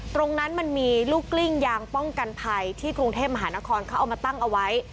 ตรงนั้นมันมีลูกกลิ้งยางป้องกันภัยที่กรุงเทพมหานครเขาเอามาตั้งเอาไว้